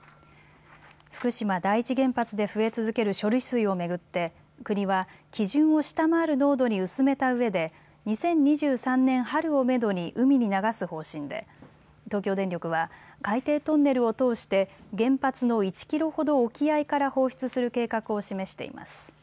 福島第一原発で増え続ける処理水を巡って国は基準を下回る濃度に薄めたうえで２０２３年春をめどに海に流す方針で東京電力は海底トンネルを通して原発の１キロほど沖合から放出する計画を示しています。